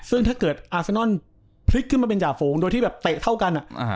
ซึ่งถ้าเกิดอาเซนอนพลิกขึ้นมาเป็นจ่าฝูงโดยที่แบบเตะเท่ากัน